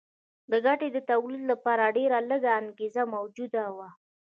د ګټې د تولید لپاره ډېره لږه انګېزه موجوده وه